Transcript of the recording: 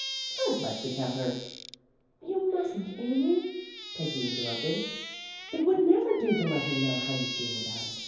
I'd like to tell her "You mustn't, Amy," Peggy interrupted. "It would never do to let her know how you feel about it.